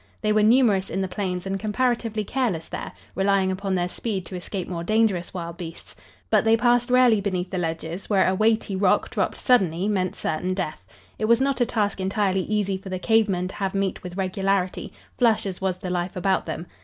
They were numerous in the plains and comparatively careless there, relying upon their speed to escape more dangerous wild beasts, but they passed rarely beneath the ledges, where a weighty rock dropped suddenly meant certain death. It was not a task entirely easy for the cave men to have meat with regularity, flush as was the life about them.